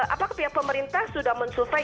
apakah pihak pemerintah sudah mensurvey